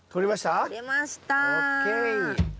ＯＫ。